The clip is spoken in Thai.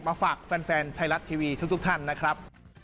ฝากแฟนไทยรัฐทีวีทุกท่านนะครับ